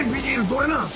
どれなん？